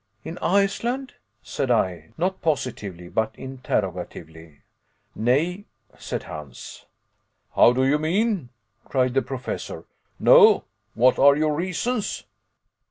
"In Iceland?" said I, not positively but interrogatively. "Nej," said Hans. "How do you mean?" cried the Professor; "no what are your reasons?"